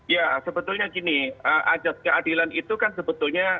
ya sebetulnya gini ajas keadilan itu kan sebetulnya